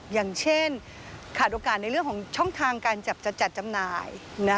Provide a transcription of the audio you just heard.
อย่างเช่นขาดโอกาสในเรื่องของช่องทางการจัดจำหน่าย